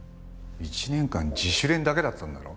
１年間自主練だけだったんだろ？